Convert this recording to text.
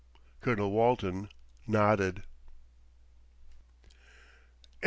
Colonel Walton nodded.